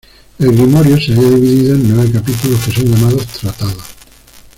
El grimorio se halla divido en nueve capítulos que son llamados "tratados".